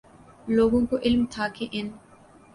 لوگوں کو علم تھا کہ ان